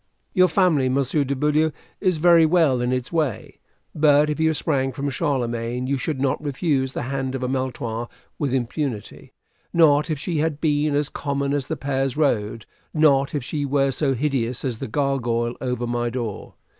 Your family, Monsieur de Beaulieu, is very well in its way; but if you sprang from Charlemagne, you should not refuse the hand of a Maletroit with impunity not if she had been as common as the Pairs road not if she were so hideous as the gargoyle over my door.